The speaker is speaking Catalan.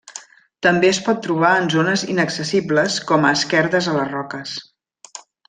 També es pot trobar en zones inaccessibles com a esquerdes a les roques.